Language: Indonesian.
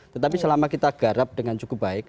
tetapi selama kita garap dengan cukup baik